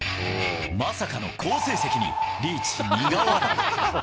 まさかの好成績に、リーチ苦笑い。